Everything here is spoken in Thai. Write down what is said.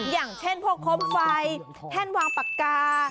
อย่างเช่นพวกโคมไฟแท่นวางปากกา